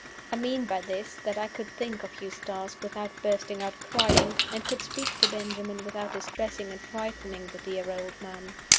I mean by this that I could think of Eustace without bursting out crying, and could speak to Benjamin without distressing and frightening the dear old man.